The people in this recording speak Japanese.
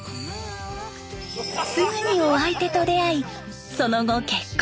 すぐにお相手と出会いその後結婚。